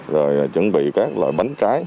rồi chuẩn bị các loại bánh trái